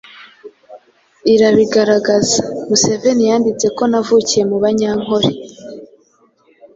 irabigaragaza. Museveni yanditse ko “Navukiye mu Banyankole